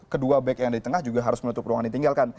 kedua back yang ada di tengah juga harus menutup ruangan ditinggalkan